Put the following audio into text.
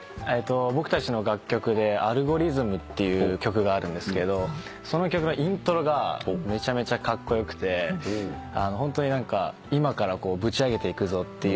僕たちの楽曲で『Ａｌｇｏｒｉｔｈｍ』っていう曲があるんですけどその曲のイントロがめちゃめちゃカッコ良くてホントに今からぶち上げていくぞっていうような。